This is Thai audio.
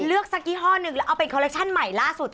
สักยี่ห้อหนึ่งแล้วเอาเป็นคอลเคชั่นใหม่ล่าสุด